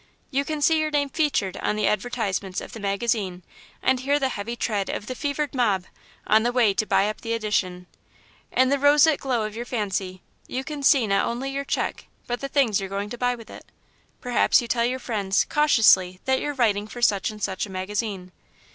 You can see your name 'featured' on the advertisements of the magazine, and hear the heavy tread of the fevered mob, on the way to buy up the edition. In the roseate glow of your fancy, you can see not only your cheque, but the things you're going to buy with it. Perhaps you tell your friends, cautiously, that you're writing for such and such a magazine.